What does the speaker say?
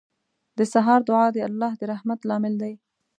• د سهار دعا د الله د رحمت لامل دی.